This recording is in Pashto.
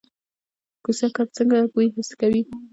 کوسه کب څنګه بوی حس کوي؟